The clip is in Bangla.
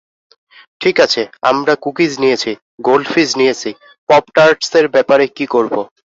ঠিক আছে, আমরা কুকিজ নিয়েছি, গোল্ডফিশ নিয়েছি পপ-টার্টসের ব্যাপারে কি করব?